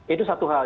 itu satu hal